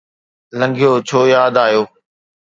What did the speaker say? لنگهيو ڇو ياد آيو؟